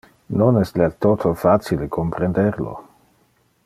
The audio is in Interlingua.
Non es del toto facile comprender lo.